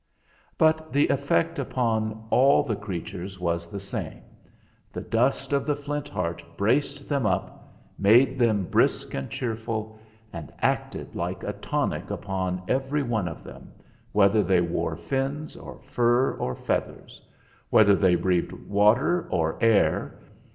But the effect upon all the creatures was the same: the dust of the Flint Heart braced them up, made them brisk and cheerful, and acted like a tonic upon every one of them, whether they wore fins or fur or feathers; whether they breathed water or air.